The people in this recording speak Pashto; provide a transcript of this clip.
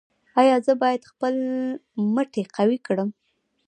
ایا زه باید خپل مټې قوي کړم؟